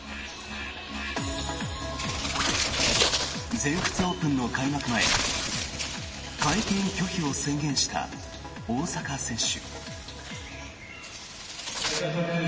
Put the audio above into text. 全仏オープンの開幕前会見拒否を宣言した大坂選手。